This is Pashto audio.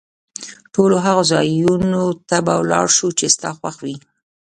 ټولو هغو ځایونو ته به ولاړ شو، چي ستا خوښ وي.